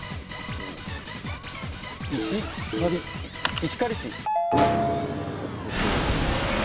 石狩市。